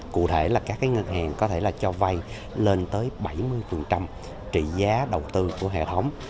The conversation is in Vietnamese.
cụ thể là các ngân hàng có thể là cho vay lên tới bảy mươi trị giá đầu tư của hệ thống